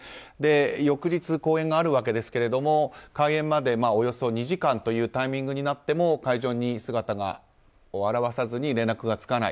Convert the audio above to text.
翌日、公演があるわけですが開演までおよそ２時間というタイミングになっても会場に姿を現さずに連絡がつかない。